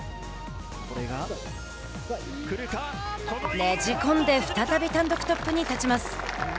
ねじ込んで再び単独トップに立ちます。